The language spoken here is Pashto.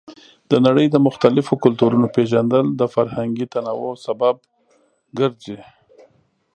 د نړۍ د مختلفو کلتورونو پیژندل د فرهنګي تنوع سبب ګرځي.